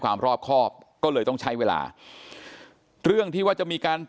ความรอบครอบก็เลยต้องใช้เวลาเรื่องที่ว่าจะมีการ